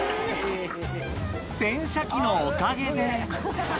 洗車機のおかげで。